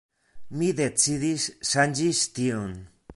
Mi decidis ŝanĝis tion.